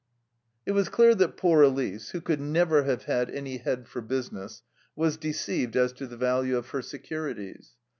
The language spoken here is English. It was clear that poor Elise who could never have had any head for business was deceived as to the value of her securities.